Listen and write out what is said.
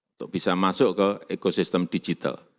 untuk bisa masuk ke ekosistem digital